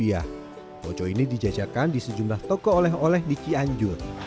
poco ini dijajakan di sejumlah toko oleh oleh di cianjur